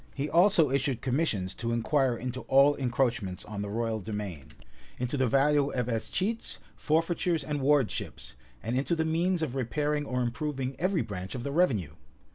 He also issued commissions to inquire into all encroachments on the royal demesne; into the value of escheats, forfeitures, and Wardships; and into the means of repairing or improving every branch of the revenue.